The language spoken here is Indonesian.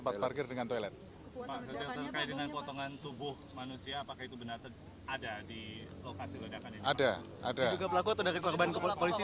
pak terkait dengan potongan tubuh manusia apakah itu benar ada di lokasi ledakan ini